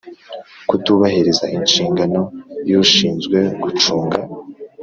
Kutubahiriza inshingano y ushinzwe gucunga